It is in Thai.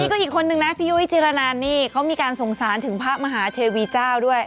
ก็อีกคนนึงนะพี่ยุ้ยจิรนันนี่เขามีการสงสารถึงพระมหาเทวีเจ้าด้วย